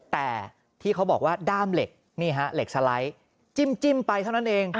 แต่ที่เขาบอกว่าด้ามเหล็กนี่ฮะเหล็กสไลด์จิ้มไปเท่านั้นเอง